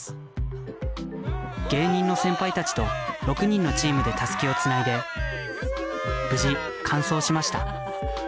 芸人の先輩たちと６人のチームでタスキをつないで無事完走しました。